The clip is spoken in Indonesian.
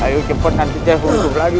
ayo cepat nanti cewek berlari